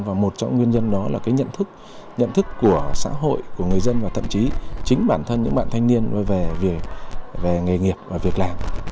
và một trong nguyên nhân đó là cái nhận thức nhận thức của xã hội của người dân và thậm chí chính bản thân những bạn thanh niên về nghề nghiệp và việc làm